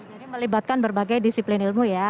jadi melibatkan berbagai disiplin ilmu ya